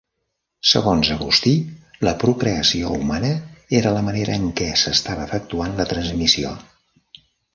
Segons Agustí, la procreació humana era la manera en què s'estava efectuant la transmissió.